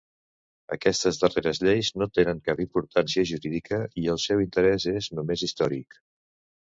Aquestes darreres lleis no tenen cap importància jurídica i el seu interès és només històric.